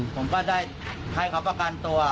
ผมก็ได้ให้เขาประกันตัว